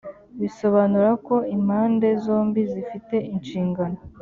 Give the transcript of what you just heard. bisobanura ko impande zombi zifite inshingano